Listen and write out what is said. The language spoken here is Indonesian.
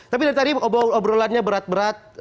tapi dari tadi obrolannya berat berat